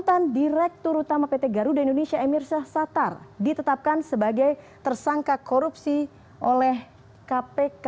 pemirsa pemirsa satar ditetapkan sebagai tersangka korupsi oleh kpk